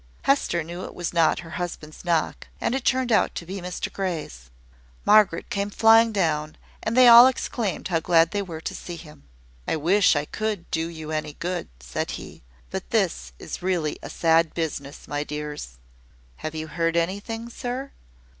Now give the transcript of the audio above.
Hester knew it was not her husband's knock; and it turned out to be Mr Grey's. Margaret came flying down, and they all exclaimed how glad they were to see him. "I wish I could do you any good," said he; "but this is really a sad business, my dears." "Have you heard anything, sir?"